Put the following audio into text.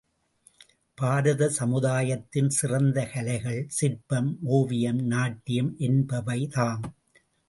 பாரத சமுதாயத்தின் சிறந்த கலைகள், சிற்பம், ஓவியம், நாட்டியம் என்பவைதாம்.